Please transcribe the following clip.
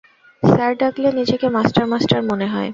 Sir ডাকলে নিজেকে master master মনে হয়।